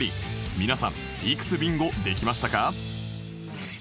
皆さんいくつビンゴできましたか？